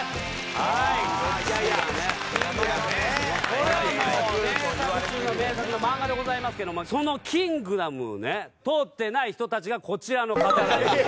これはもう名作中の名作の漫画でございますけどもその『キングダム』をね通ってない人たちがこちらの方々です。